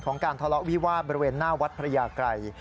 การทะเลาะวิวาสบริเวณหน้าวัดพระยาไกร